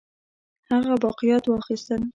هغه باقیات واخیستل.